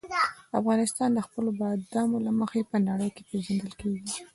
افغانستان د خپلو بادامو له مخې په نړۍ کې پېژندل کېږي.